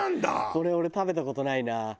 これは俺食べた事ないな。